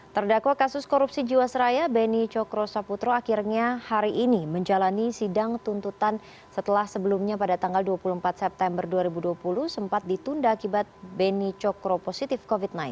terdakwa kasus korupsi jiwasraya beni cokro saputro akhirnya hari ini menjalani sidang tuntutan setelah sebelumnya pada tanggal dua puluh empat september dua ribu dua puluh sempat ditunda akibat beni cokro positif covid sembilan belas